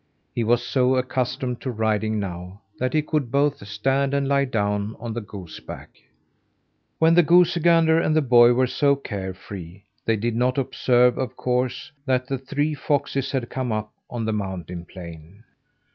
He was so accustomed to riding now, that he could both stand and lie down on the goose back. When the goosey gander and the boy were so care free, they did not observe, of course, that the three foxes had come up on the mountain plain.